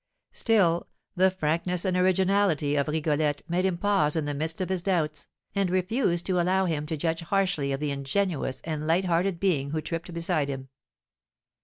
Still, the frankness and originality of Rigolette made him pause in the midst of his doubts, and refuse to allow him to judge harshly of the ingenuous and light hearted being who tripped beside him.